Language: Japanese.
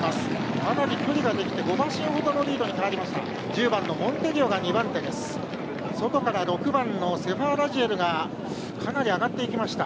かなり距離ができて５馬身ほどのリードに変わりました。